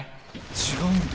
違うんだ。